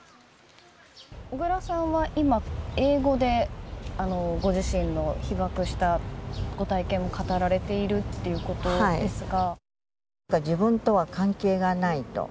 小倉さんは今、英語でご自身の被爆したご体験を語られているということですが。